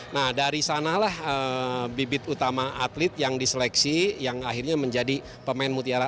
nah dari sanalah bibit utama atlet yang diseleksi yang akhirnya menjadi pemain mutiara